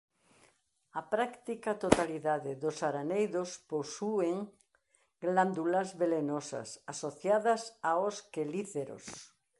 A práctica totalidade dos araneidos posúen glándulas velenosas asociadas aos quelíceros.